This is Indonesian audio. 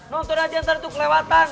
nonton aja ntar tuh kelewatan